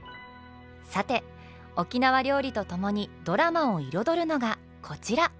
さて沖縄料理とともにドラマを彩るのがこちら！